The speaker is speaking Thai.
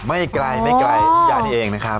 ไม่ไกลอย่างนี้เองนะครับ